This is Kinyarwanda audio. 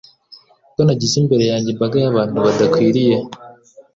ko nagize imbere yanjye imbaga yabantu badakwiriye